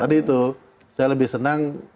tadi itu saya lebih senang